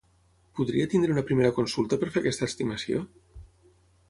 Podria tenir una primera consulta per fer aquest estimació?